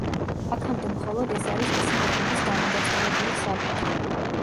აქამდე მხოლოდ ეს არის მისი მეფობის დამადასტურებელი საბუთი.